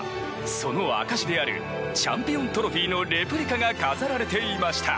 その証しであるチャンピオントロフィーのレプリカが飾られていました。